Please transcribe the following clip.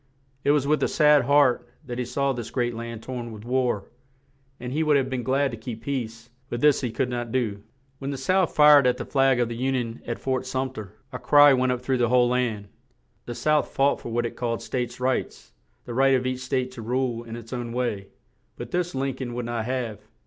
It was with a sad heart that he saw this great land torn with war; and he would have been glad to keep peace, but this he could not do. When the South fired at the flag of the Un ion at Fort Sum ter, a cry went up through the whole land. The South fought for what it called "States Rights;" the right of each state to rule in its own way; but this Lin coln would not have.